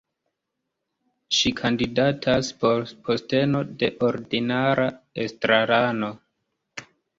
Ŝi kandidatas por posteno de ordinara estrarano.